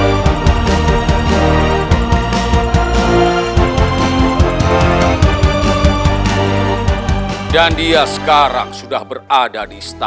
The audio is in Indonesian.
kalian semua bahwa putra kuwalang sungsa masih hidup dan dia sekarang sudah berada di staf